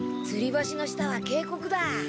つり橋の下はけいこくだ。